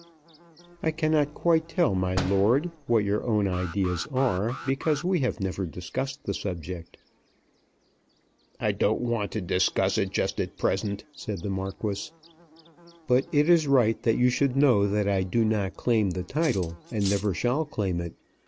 "I cannot quite tell, my lord, what your own ideas are, because we have never discussed the subject." "I don't want to discuss it just at present," said the Marquis. "But it is right that you should know that I do not claim the title, and never shall claim it.